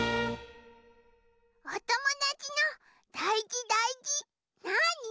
おともだちのだいじだいじなあに？